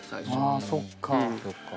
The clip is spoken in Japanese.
あそっか。